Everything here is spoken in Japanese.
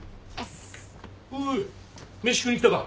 おお飯食いに来たか。